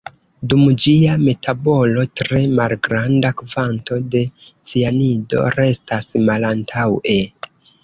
Dum ĝia metabolo, tre malgranda kvanto de cianido restas malantaŭe.